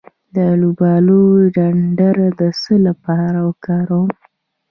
د الوبالو ډنډر د څه لپاره وکاروم؟